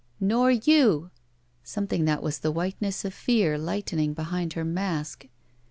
"Nor you!" something that was the whiteness of fear lightening behind her mask.